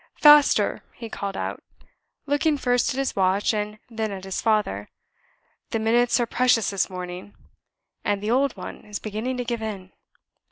"Faster!" he called out, looking first at his watch, and then at his father. "The minutes are precious this morning; and the old one is beginning to give in."